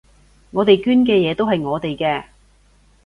我哋捐嘅嘢都係我哋嘅